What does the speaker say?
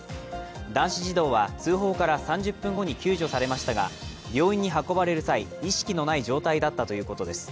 男子児童は通報から３０分後に救助されましたが、病院に運ばれる際、意識のない状態だったということです。